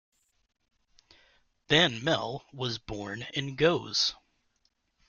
Van Melle was born in Goes.